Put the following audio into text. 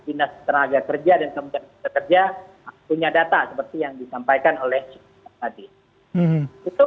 binnas tenaga kerja dan kementerian kekerja punya data seperti yang disampaikan oleh cik